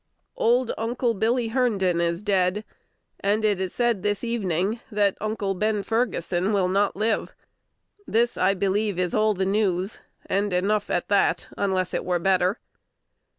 Old Uncle Billy Herndon is dead, and it is said this evening that Uncle Ben Ferguson will not live. This, I believe, is all the news, and enough at that, unless it were better.